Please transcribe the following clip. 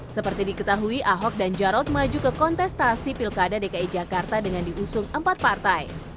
seperti diketahui ahok dan jarod maju ke kontestasi pilkada dki jakarta dengan diusung empat partai